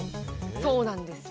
そうなんですよ